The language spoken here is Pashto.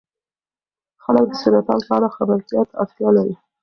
خلک د سرطان په اړه خبرتیا ته اړتیا لري.